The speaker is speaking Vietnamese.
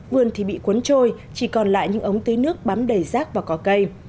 vườn thì bị cuốn trôi chỉ còn lại những ống tưới nước bám đầy rác và cỏ cây